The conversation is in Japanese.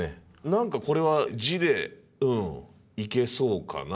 何かこれは字でうんいけそうかな。